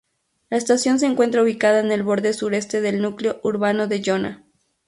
La estación se encuentra ubicada en el borde sureste del núcleo urbano de Jona.